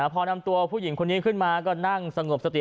พอนำตัวผู้หญิงคนนี้ขึ้นมาก็นั่งสงบสติ